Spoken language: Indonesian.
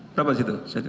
berapa sih itu